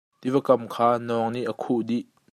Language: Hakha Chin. Tiva kam kha nawng nih a khuh dih.